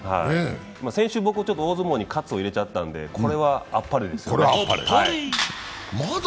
先週、僕、大相撲に喝入れちゃったので、これはあっぱれですよね、はい。